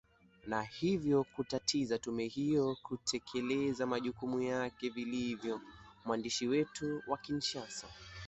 na hivyo kutatiza tume hiyo kutekeleza majukumu yake vilivyo mwandishi wetu wa kinshasa